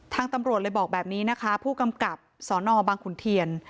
ตำรวจเลยบอกแบบนี้นะคะผู้กำกับสนบังขุนเทียน